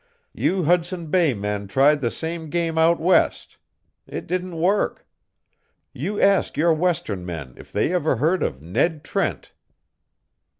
You Hudson Bay men tried the same game out west. It didn't work. You ask your western men if they ever heard of Ned Trent."